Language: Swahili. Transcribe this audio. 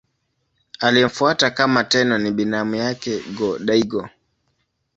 Aliyemfuata kama Tenno ni binamu yake Go-Daigo.